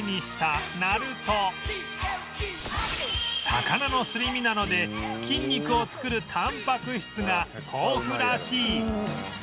魚のすり身なので筋肉を作るタンパク質が豊富らしい